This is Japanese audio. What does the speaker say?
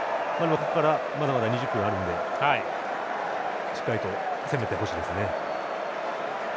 ここからまだまだ２０分あるのでしっかりと攻めてほしいですね。